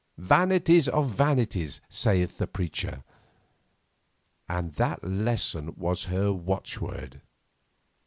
"'Vanity of vanities,' saith the Preacher"; and that lesson was her watchword.